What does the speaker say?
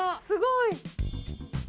すごい。